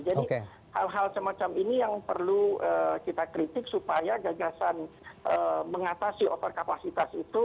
jadi hal hal semacam ini yang perlu kita kritik supaya gagasan mengatasi over kapasitas itu